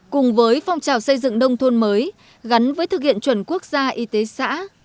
cùng với phong trào xây dựng nông thôn mới gắn với thực hiện chuẩn quốc gia y tế xã